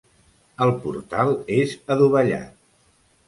El portal és adovellat.